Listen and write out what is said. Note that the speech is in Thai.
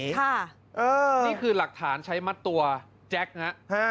นี่คือหลักฐานใช้มัดตัวแจ็คฮะ